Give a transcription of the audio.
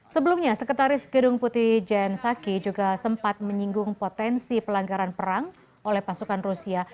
sebelumnya sekretaris gedung putih jensaki juga sempat menyinggung potensi pelanggaran perang oleh pasukan rusia